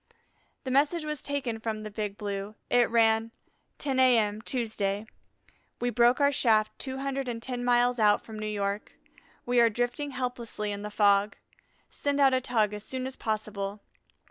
The message was taken from the Big Blue. It ran: 10 A.M., Tuesday. We broke our shaft two hundred and ten miles out from New York; we are drifting helplessly in the fog. Send out a tug as soon as possible.